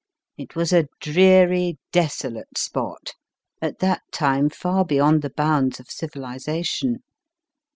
It was a dreary, desolate spot ; at that time far beyond the bounds of civilisation.